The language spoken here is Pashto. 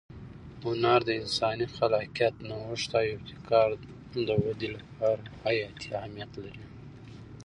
هنر د انساني خلاقیت، نوښت او ابتکار د وده لپاره حیاتي اهمیت لري.